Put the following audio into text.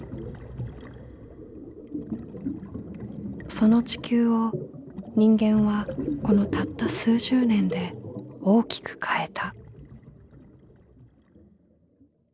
その地球を人間はこのたった数十年で大きく変えた。